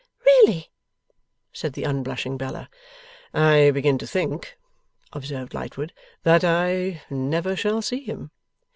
'Really?' said the unblushing Bella. 'I begin to think,' observed Lightwood, 'that I never shall see him.